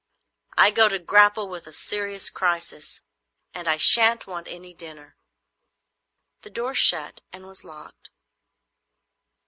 "I go to grapple with a serious crisis, and I shan't want any dinner." The door shut and was locked.